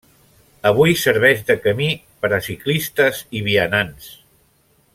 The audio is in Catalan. Avui serveix de camí per a ciclistes i vianants.